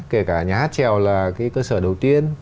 kể cả nhà hát trèo là cái cơ sở đầu tiên